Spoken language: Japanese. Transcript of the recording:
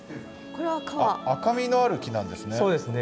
赤みのある木なんですね。